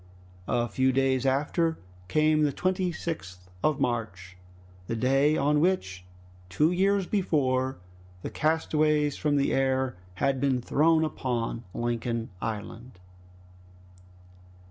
A few days after came the 26th of March, the day on which, two years before, the castaways from the air had been thrown upon Lincoln Island.